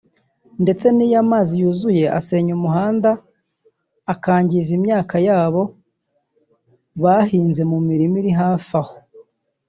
ndetse n’iyo amazi yuzuye asenya umuhanda akangiza n’imyaka yabo bahinze mu mirima iri hafi aho